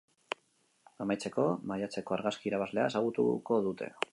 Amaitzeko, maiatzeko argazki irabazlea ezagutuko dute.